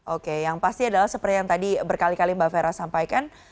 oke yang pasti adalah seperti yang tadi berkali kali mbak fera sampaikan